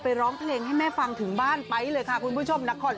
ร้องเพลงให้แม่ฟังถึงบ้านไปเลยค่ะคุณผู้ชมนคร